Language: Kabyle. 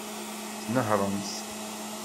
Tnehṛemt.